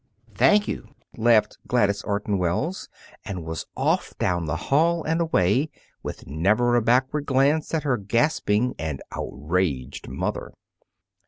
"Thank you," laughed Gladys Orton Wells, and was off down the hall and away, with never a backward glance at her gasping and outraged mother.